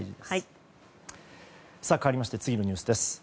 かわりまして次のニュースです。